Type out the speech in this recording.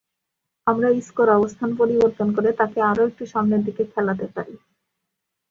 আমরা ইসকোর অবস্থান পরিবর্তন করে তাকে আরও একটু সামনের দিকে খেলাতে পারি।